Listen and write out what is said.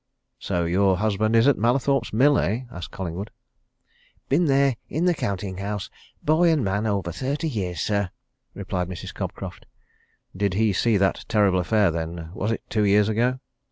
"So your husband is at Mallathorpe's Mill, eh?" asked Collingwood. "Been there in the counting house boy and man, over thirty years, sir," replied Mrs. Cobcroft. "Did he see that terrible affair then was it two years ago?"